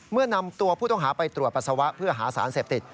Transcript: เมื่อนำตัวผู้ต้องหาไปตรวจปัสสาวะเพื่อหาสารเสพติด